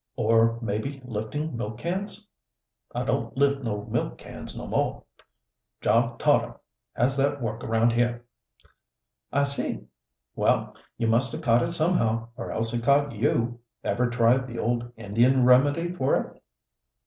"Or maybe lifting milk cans." "I don't lift no milk cans no more. Job Todder has that work around here." "I see. Well, you must have caught it somehow, or else it caught you. Ever tried the old Indian remedy for it?"